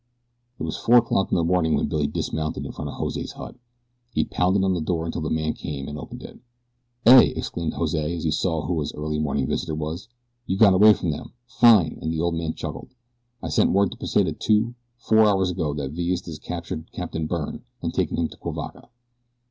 It was four o'clock in the morning when Billy dismounted in front of Jose's hut. He pounded on the door until the man came and opened it. "Eh!" exclaimed Jose as he saw who his early morning visitor was, "you got away from them. Fine!" and the old man chuckled. "I send word to Pesita two, four hours ago that Villistas capture Capitan Byrne and take him to Cuivaca."